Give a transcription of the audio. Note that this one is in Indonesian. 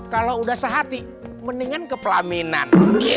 kalau udah sehati mendingan ke pelaminan